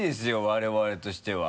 我々としては。